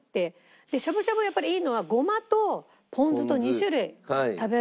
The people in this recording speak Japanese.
でしゃぶしゃぶやっぱりいいのはごまとポン酢と２種類食べられるっていうの。